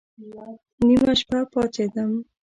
نيمه شپه پاڅېدم.